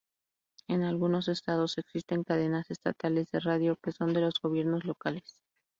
En algunos estados, existen cadenas estatales de radio que son de los gobiernos locales.